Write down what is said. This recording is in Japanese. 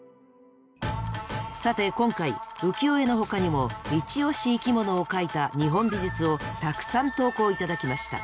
さて今回浮世絵のほかにもイチ推し生きものを描いた日本美術をたくさん投稿頂きました。